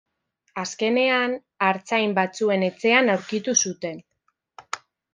Azkenean, artzain batzuen etxean aurkitu zuten.